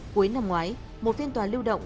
cuối năm ngoái một phiên tòa lưu động